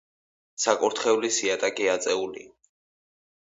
საკურთხევლის იატაკი აწეულია.